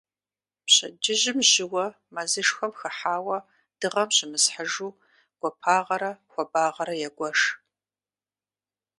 Пщэдджыжьым жьыуэ мэзышхуэм хыхьауэ дыгъэм щымысхьыжу гуапагъэрэ хуабагъэрэ егуэш.